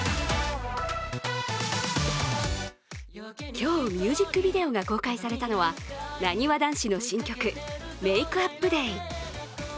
今日、ミュージックビデオが公開されたのはなにわ男子の新曲「ＭａｋｅＵｐＤａｙ」。